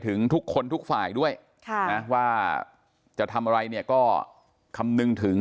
ทุกคนทุกฝ่ายด้วยนะว่าจะทำอะไรเนี่ยก็คำนึงถึง